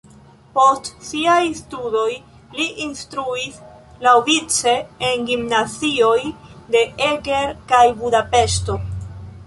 Post siaj studoj li instruis laŭvice en gimnazioj de Eger kaj Budapeŝto.